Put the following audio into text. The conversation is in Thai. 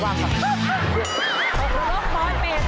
ลูกบอสเป็นร้อยแซมชาตินินทัน